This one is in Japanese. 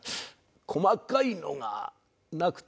細かいのがなくて。